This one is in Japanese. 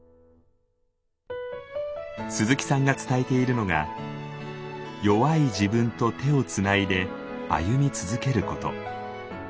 鈴木さんが伝えているのが「弱い自分と手をつないで歩み続けること」。